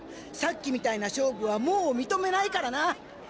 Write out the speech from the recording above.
さっきみたいな勝負はもうみとめないからな！